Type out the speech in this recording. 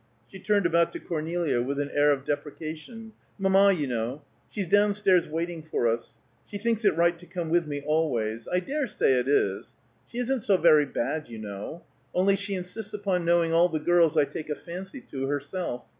She turned about to Cornelia with an air of deprecation. "Mamma, you know. She's down stairs waiting for us. She thinks it right to come with me always. I dare say it is. She isn't so very bad, you know. Only she insists upon knowing all the girls I take a fancy to, herself.